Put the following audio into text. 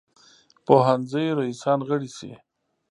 پوهنځیو رییسان غړي شي.